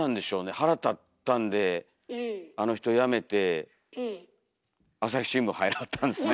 腹立ったんであの人辞めて朝日新聞入らはったんですね。